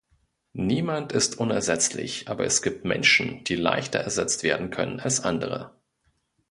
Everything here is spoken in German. Niemand ist unersetzlich, aber es gibt Menschen, die leichter ersetzt werden können als andere.